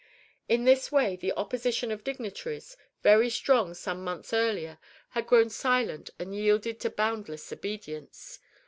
In this way the opposition of dignitaries, very strong some months earlier, had grown silent and yielded to boundless obedience.